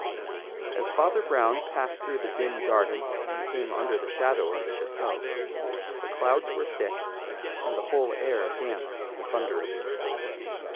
As Father Brown passed through the dim garden and came under the shadow of the chateau, the clouds were thick and the whole air damp and thundery.